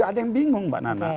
gak ada yang bingung mbak nana